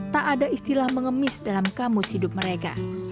tak ada istilah mengemis dalam kamus hidup mereka